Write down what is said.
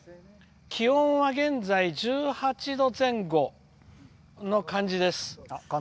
気温は現在１８度前後の感じです。